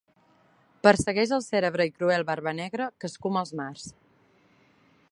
Persegueix el cèlebre i cruel Barbanegra que escuma els mars.